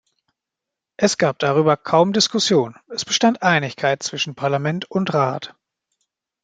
Es gab darüber kaum Diskussionen, es bestand Einigkeit zwischen Parlament und Rat.